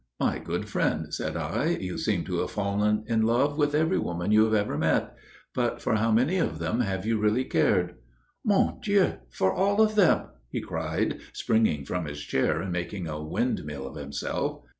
"My good friend," said I, "you seem to have fallen in love with every woman you have ever met. But for how many of them have you really cared?" "Mon Dieu! For all of them!" he cried, springing from his chair and making a wind mill of himself.